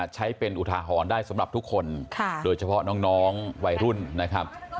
ใช้เป็นอุทาหรณ์ได้สำหรับทุกคนโดยเฉพาะน้องวัยรุ่นนะครับ